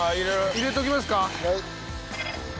入れときますか？